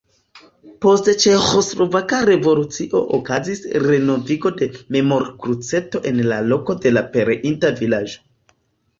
Post ĉeĥoslovaka revolucio okazis renovigo de memorkruceto en la loko de la pereinta vilaĝo.